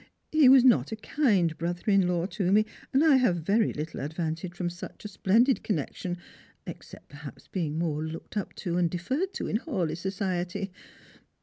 He was not a kind brother in law to me, and I had very little advantage from such a splendid connection, except, perhaps, being more looked up to and deferred to in Hawleigh society.